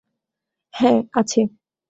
হ্যাঁ, আছে।